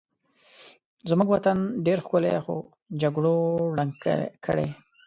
زمونږ وطن ډېر ښکلی خو جګړو ړنګ کړی